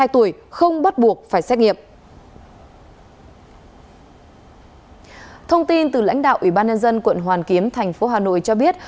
thông tin từ lãnh đạo ủy ban nhân dân quận hoàn kiếm thành phố hà nội cho biết